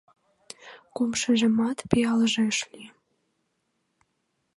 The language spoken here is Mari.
Кумшыжымат пиалже ыш лий.